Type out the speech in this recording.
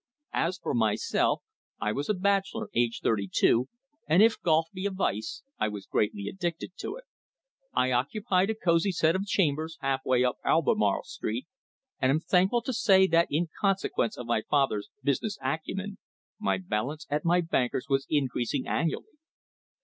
As for myself, I was a bachelor, aged thirty two, and if golf be a vice I was greatly addicted to it. I occupied a cosy set of chambers, half way up Albemarle Street, and am thankful to say that in consequence of my father's business acumen, my balance at my bankers was increasing annually.